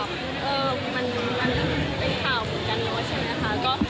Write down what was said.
มันเป็นผิดพลาดเหมือนกับการลวชันนะคะ